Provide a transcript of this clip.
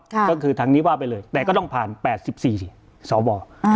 ก็คือทางนี้ว่าไปเลยแต่ก็ต้องผ่าน๘๔สว